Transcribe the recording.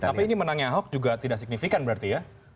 tapi ini menangnya ahok juga tidak signifikan berarti ya